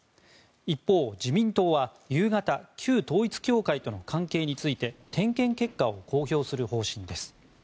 一方、自民党は夕方旧統一教会との関係について点検結果を公表する方針です。